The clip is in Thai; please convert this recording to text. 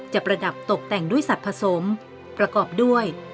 ประดับตกแต่งด้วยสัตว์ผสมประกอบด้วย